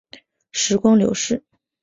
时光流逝